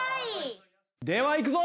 ではいくぞ！